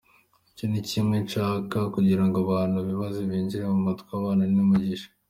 Icyo ni kimwe nshaka kugira ngo abantu bibanze bibinjire mu mutwe, abana ni umugisha.